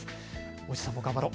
おじさんも頑張ろう。